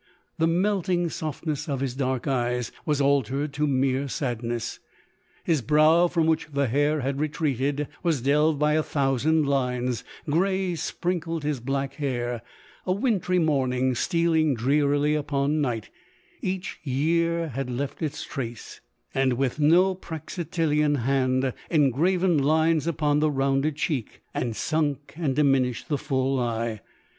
The melting softness of his dark eyes was altered to mere sadness — his brow, from which the hair had retreated, was delved by a thousand lines ; grey sprinkled his black hair, — a wintry morning stealing drearily upon night — each year had left its trace, and with no Praxitelean hand, engraven lines upon the rounded cheek, and sunk and diminished the full eye.